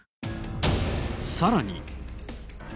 さらに。